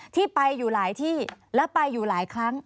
ที่ไปอยู่หลายที่แล้วไปอยู่หลายครั้ง